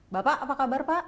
bapak apa kabar pak